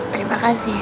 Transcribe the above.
terima kasih ya